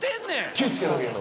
気ぃ付けとけよ。